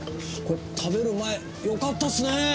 食べる前よかったっすねぇ！